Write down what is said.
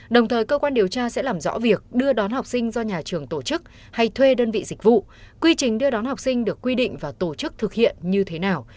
đồng thời cơ quan điều tra sẽ làm rõ việc đưa đón học sinh do nhà trường tổ chức hay thuê đơn vị dịch vụ quy trình đưa đón học sinh được quy định và tổ chức thực hiện như thế nào